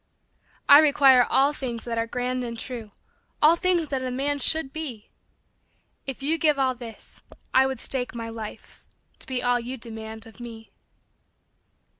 I require all things that are grand and true, All things that a man should be ; If you give all this, I would stake my life To be all you demand of me.